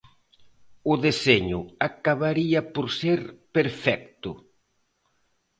O deseño acabaría por ser perfecto.